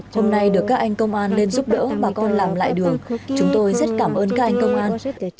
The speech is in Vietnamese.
hôm nay được các anh công an lên giúp đỡ bà con làm lại đường chúng tôi rất cảm ơn các anh công an